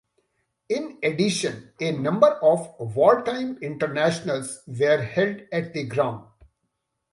In addition, a number of wartime internationals were held at the ground.